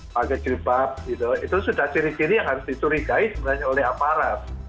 pakai jilbab gitu itu sudah ciri ciri yang harus dicurigai sebenarnya oleh aparat